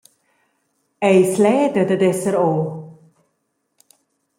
Eis leda dad esser ora?